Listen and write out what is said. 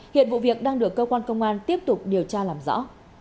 hiện vụ việc đang được cơ quan công an tiếp tục điều tra làm rõ